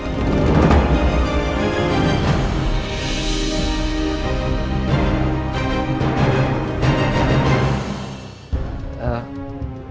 bisa disuruh nyampe